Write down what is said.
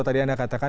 tadi anda katakan